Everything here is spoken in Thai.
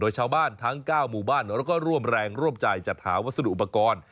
โดยชาวบ้านทั้ง๙หมู่บ้านแล้วก็ร่วมแรงร่วมใจจัดหาวัสดุอุปกรณ์